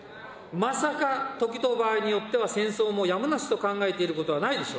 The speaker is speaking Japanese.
まさか、時と場合によっては戦争もやむなしと考えていることはないでしょ